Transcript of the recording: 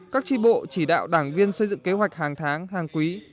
các tri bộ chỉ đạo đảng viên xây dựng kế hoạch hàng tháng hàng quý